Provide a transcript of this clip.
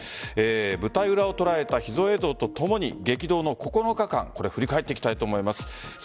舞台裏を捉えた秘蔵映像とともに激動の９日間振り返っていきたいと思います。